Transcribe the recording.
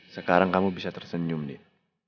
sekarang kamu bisa tersenyum nih